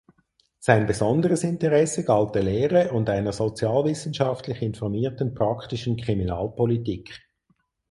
Sein besonderes Interesse galt der Lehre und einer sozialwissenschaftlich informierten praktischen Kriminalpolitik.